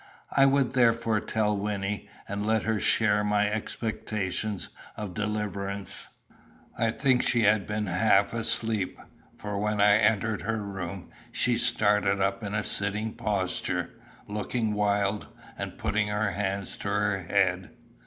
I would therefore tell Wynnie, and let her share my expectation of deliverance. I think she had been half asleep, for when I entered her room she started up in a sitting posture, looking wild, and putting her hands to her head.